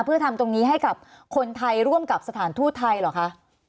เพื่อทำตรงนี้ให้กับคนไทยร่วมกับสถานทูตไทยเหรอคะ